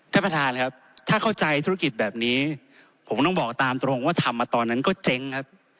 ท่านประธานครับถ้าเข้าใจธุรกิจแบบนี้ผมต้องบอกตามตรงว่าทำมาตอนนั้นก็เจ๊งครับ